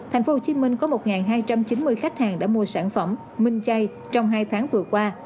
tp hcm có một hai trăm chín mươi khách hàng đã mua sản phẩm minh chay trong hai tháng vừa qua